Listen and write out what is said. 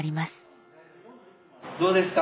どうですか？